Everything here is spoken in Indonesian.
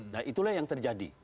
nah itulah yang terjadi